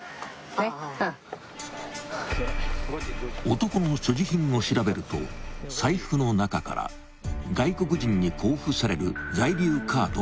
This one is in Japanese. ［男の所持品を調べると財布の中から外国人に交付される在留カードが出てきた］